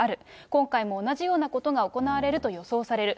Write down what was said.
今回も同じようなことが行われると予想される。